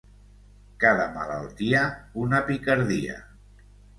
Cada malaltia, una picardia.